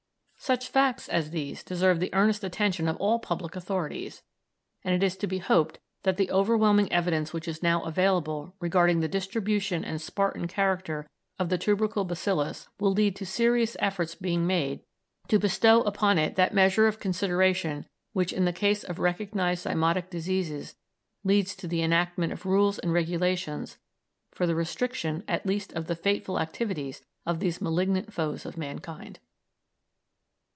Such facts as these deserve the earnest attention of all public authorities, and it is to be hoped that the overwhelming evidence which is now available regarding the distribution and Spartan character of the tubercle bacillus will lead to serious efforts being made to bestow upon it that measure of consideration which in the case of recognised zymotic diseases leads to the enactment of rules and regulations for the restriction at least of the fateful activities of these malignant foes of mankind.